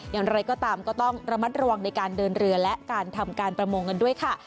อย่างไรก็ตามก็ต้องระมัดระวังในการเดินเรือและการทำการประมงกันด้วยค่ะ